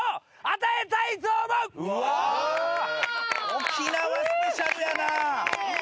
沖縄スペシャルやな。